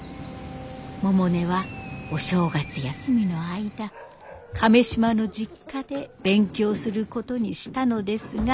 百音はお正月休みの間亀島の実家で勉強することにしたのですが。